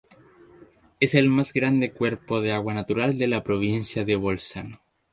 Es el más grande cuerpo de agua natural de la provincia de Bolzano.